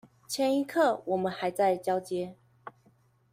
前一刻我們還在交接